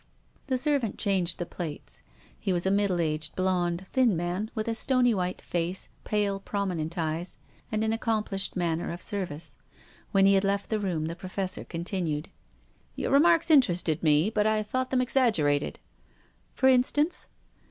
The servant changed the plates. He was a middle aged, blond, thin man, with a stony white face, pale, prominent eyes, and an accomplished manner of service. When he had left the room the Professor continued, " Your remarks interested me, but I thought them exaggerated." " For instance